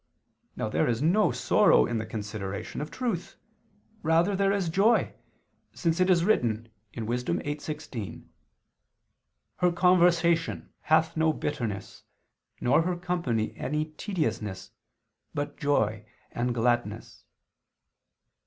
Now there is no sorrow in the consideration of truth; rather is there joy, since it is written (Wis. 8:16): "Her conversation hath no bitterness, nor her company any tediousness, but joy and gladness."